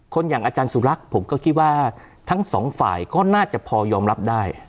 อย่างอาจารย์สุรักษ์ผมก็คิดว่าทั้งสองฝ่ายก็น่าจะพอยอมรับได้